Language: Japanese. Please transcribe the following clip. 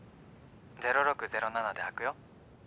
０６０７で開くよ。